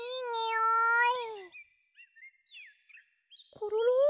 コロロ！